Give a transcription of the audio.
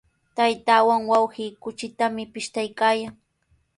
Taytaawan wawqi kuchitami pishtaykaayan.